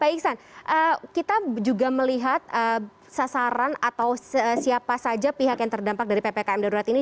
pak iksan kita juga melihat sasaran atau siapa saja pihak yang terdampak dari ppkm darurat ini